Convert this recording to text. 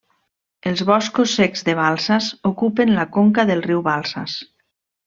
Els boscos secs de Balsas ocupen la conca del riu Balsas.